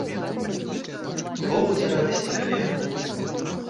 Во будзе радасці калегам!